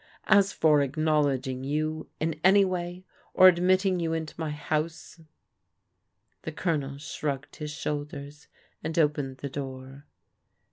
As for acknowledging you in any way, or ad mitting you into my house " The Colonel shrugged his shoulders, and opened the door.